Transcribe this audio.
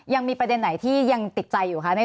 ยังมีประเด็นไหนที่ยังติดใจอยู่คะ